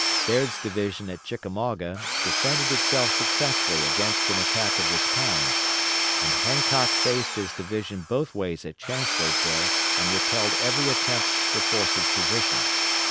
Baird's division at Chickamauga defended itself successfully against an assault of this kind, and Hancock faced his division both ways at Chancellorsville and repelled every attempt to force his position.